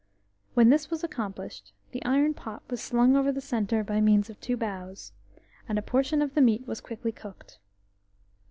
When this was accomplished, the iron pot was slung over the centre by means of two boughs, and a portion of the meat was quickly cooked.